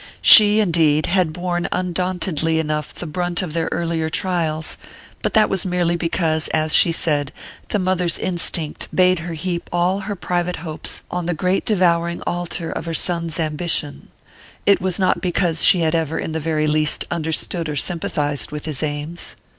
She, indeed, had borne undauntedly enough the brunt of their earlier trials; but that was merely because, as she said, the mother's instinct bade her heap all her private hopes on the great devouring altar of her son's ambition; it was not because she had ever, in the very least, understood or sympathized with his aims.